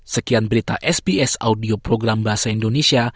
sekian berita sps audio program bahasa indonesia